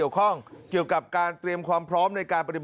ก็เตรียมความพร้อมนะครับรับ